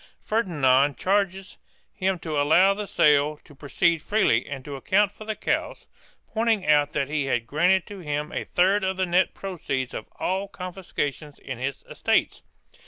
Ferdinand charges him to allow the sale to proceed freely and to account for the cows, pointing out that he had granted to him a third of the net proceeds of all confiscations in his estates.